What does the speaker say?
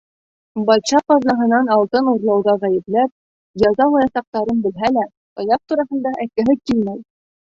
Батша ҡаҙнаһынан алтын урлауҙа ғәйепләп, яза-лаясаҡтарын белһә лә, таяҡ тураһында әйткеһе килмәй.